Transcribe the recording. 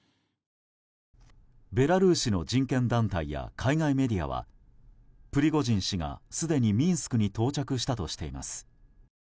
ベラルーシの人権団体や海外メディアは、プリゴジン氏がすでにミンスクに到着したとしています。